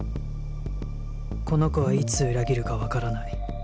この子はいつ裏切るかわからない